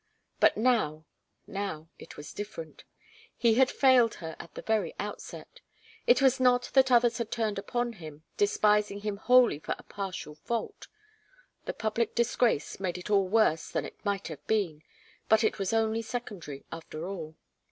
But now now, it was different. He had failed her at the very outset. It was not that others had turned upon him, despising him wholly for a partial fault. The public disgrace made it all worse than it might have been, but it was only secondary, after all.